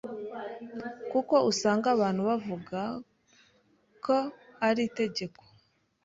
kuko usanga abantu bavuga k ari itegeko